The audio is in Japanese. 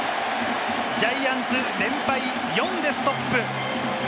ジャイアンツ、連敗４でストップ。